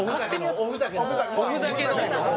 おふざけの方。